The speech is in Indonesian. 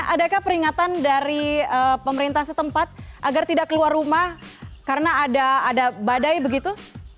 adakah peringatan dari pemerintah setempat agar tidak keluar rumah karena ada badai begitu